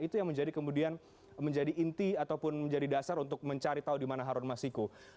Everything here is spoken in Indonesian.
itu yang menjadi kemudian menjadi inti ataupun menjadi dasar untuk mencari tahu di mana harun masiku